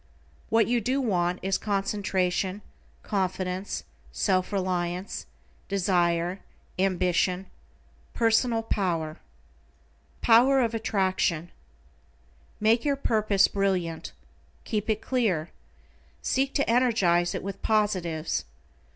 What you do want is concentration, confidence, self reliance, desire, ambition, PERSONAL POWER. =POWER OF ATTRACTION=: Make your purpose brilliant. Keep it clear. Seek to energize it with positives.